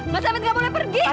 mas amin ga boleh pergi